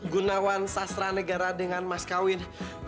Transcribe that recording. gunawan sastra negara dengan mas kawin